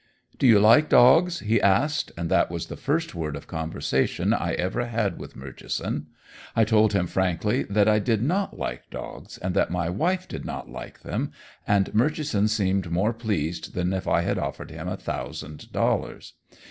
"Do you like dogs?" he asked, and that was the first word of conversation I ever had with Murchison. I told him frankly that I did not like dogs, and that my wife did not like them, and Murchison seemed more pleased than if I had offered him a thousand dollars.